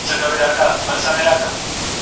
تل زخمي زخمي په تن وي د لستوڼي له مارانو